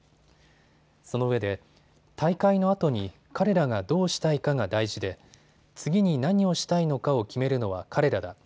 そのうえで大会のあとに彼らがどうしたいかが大事で次に何をしたいのかを決めるのは彼らだ。